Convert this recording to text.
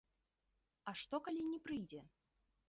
А што, калі не прыйдзе?